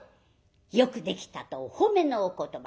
「よくできた」とお褒めのお言葉。